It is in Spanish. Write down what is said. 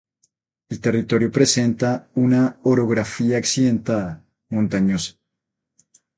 El territorio presenta una orografía accidentada, montañosa.